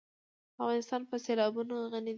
افغانستان په سیلابونه غني دی.